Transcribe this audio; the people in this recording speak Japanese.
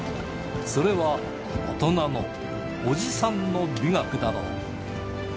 それは、大人のおじさんの美学だろう。